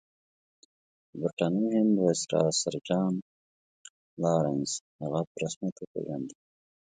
د برټانوي هند ویسرا سر جان لارنس هغه په رسمیت وپېژانده.